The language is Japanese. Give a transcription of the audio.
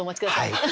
はい。